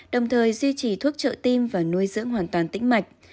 đồng thời duy trì thuốc trợ tim và nuôi dưỡng hoàn toàn tĩnh mạch